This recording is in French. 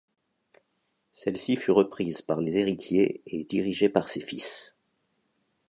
Celle-ci fut reprise par les héritiers et dirigée par ses fils.